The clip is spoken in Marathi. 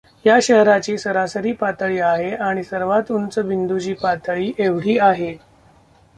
या शहराची सरासरी पातळी आहे आणि सर्वांत उंच बिंदूची पातळी एवढी आहे.